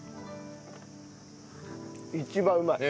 一番うまい。